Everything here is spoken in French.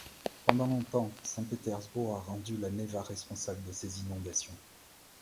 Pendant longtemps, Saint-Pétersbourg a rendu la Neva responsable de ses inondations.